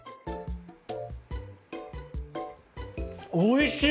おいしい！